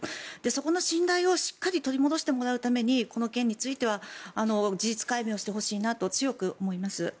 そこの信頼をしっかり取り戻してもらうためにこの件については事実解明をしてほしいと強く思います。